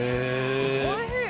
おいしい！